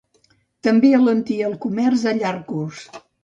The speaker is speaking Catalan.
També alentia el comerç a llarg curs.